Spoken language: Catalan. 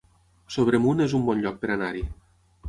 Sobremunt es un bon lloc per anar-hi